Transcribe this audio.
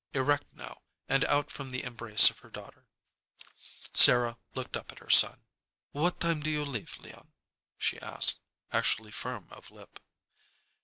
Erect now, and out from the embrace of her daughter, Sarah looked up at her son. "What time do you leave, Leon?" she asked, actually firm of lip.